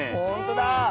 ほんとだ！